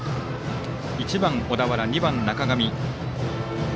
１番、小田原、２番、中上。